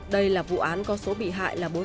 đây là vụ án có số bị hại là bốn mươi hai người